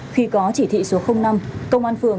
khi có chỉ thị số năm công an phường